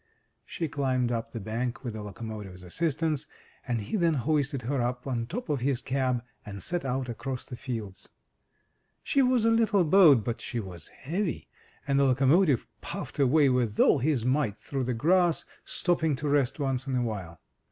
She climbed up the bank with the locomotive's assistance, and he then hoisted her up on top of his cab, and set out across the fields. She was a little boat but she was heavy, and the loco motive puffed away with all his might through the grass, stopping to rest once in a while.